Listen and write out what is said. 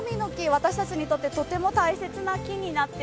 私たちにとってとても大切な木になっておりまして。